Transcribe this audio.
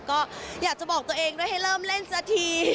ก็อยากจะบอกตัวเองด้วยให้เริ่มเล่นสักที